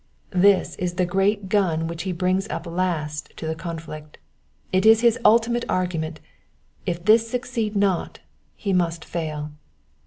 This is the great gun which he brings up last to the conflict : it is his ultimate argument, if this succeed not he must fail.